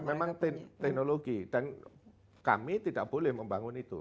memang teknologi dan kami tidak boleh membangun itu